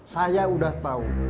saya udah tau